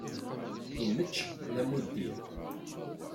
Immečč, d amuddir.